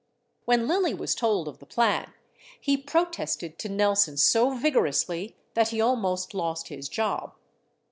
When Lilly was told of the plan, he protested to Nelson so vigorously that he almost lost his job.